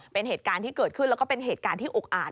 เป็นเหตุการณ์ที่เกิดขึ้นแล้วก็เป็นเหตุการณ์ที่อุกอาจ